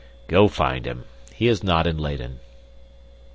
"Go find him. He is not in Leyden."